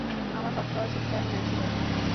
আমার শর্ত আছে, ফ্যান না, এসি লাগবে।